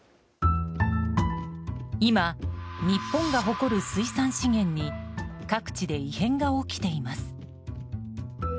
今、日本が誇る水産資源に各地で異変が起きています。